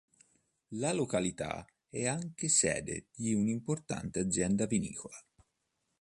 La località è anche sede di un'importante azienda vinicola.